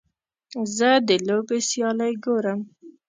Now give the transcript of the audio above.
زه د لوبې سیالۍ ګورم.